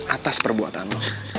atas perbuatan lo